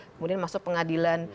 kemudian masuk pengadilan